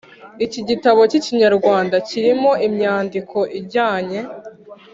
Iki gitabo k’Ikinyarwanda kirimo imyandiko ijyanye